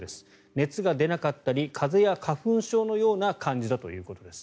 熱が出なかったり風邪や花粉症のような感じだということです。